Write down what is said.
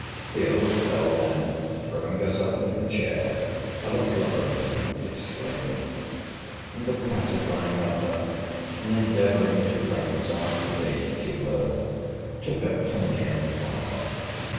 The old beldam, throwing herself into a chair, fell a blubbering and exclaiming. And the pacifying of her, and endeavouring to reconcile the lady to her, took up till near one o'clock.